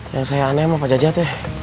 yang saya aneh sama pak jajak teh